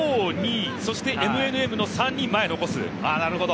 ５−２そしてＭＮＭの３人を残す。